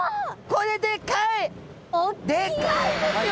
これでかいですよ。